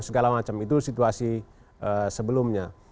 segala macam itu situasi sebelumnya